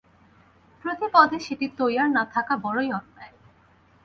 প্রতি পদে সেটি তৈয়ার না থাকা বড়ই অন্যায়।